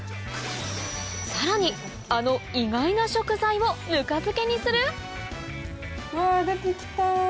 さらにあの意外な食材をぬか漬けにする⁉うわ出て来た。